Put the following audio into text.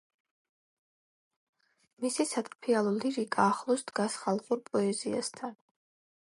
მისი სატრფიალო ლირიკა ახლოს დგას ხალხურ პოეზიასთან.